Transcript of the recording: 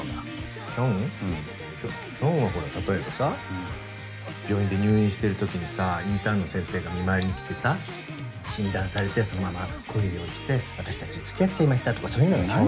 ひょんはほら例えばさ病院で入院してるときにさインターンの先生が見舞いに来てさ診断されてそのまま恋に落ちて私たちつきあっちゃいましたとかそういうのがひょん。